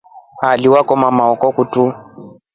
Haliwakoma maako kuto.